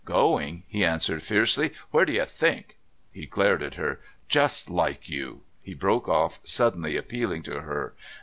"Going?" he answered fiercely. "Where do you think?" He glared at her. "Just like you." He broke off, suddenly appealing to her.